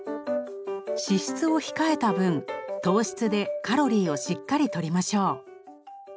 脂質を控えた分糖質でカロリーをしっかりとりましょう。